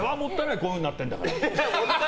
こうなってんだから。